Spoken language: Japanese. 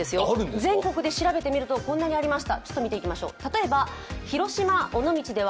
全国で調べてみるとこんなにありました。